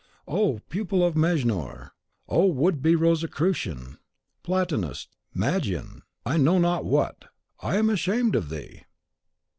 Oh, pupil of Mejnour! Oh, would be Rosicrucian, Platonist, Magian, I know not what! I am ashamed of thee!